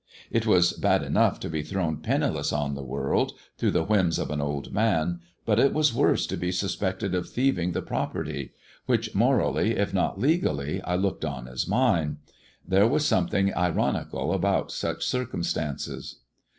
It was bad enough to be thrown penniless on the world, through the whims of an old man ; but it was worse to be suspected of thieving the property which morally, if not legally, I looked on as mine. There was something ironical about such circumstances.